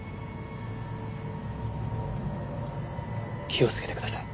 気をつけてください。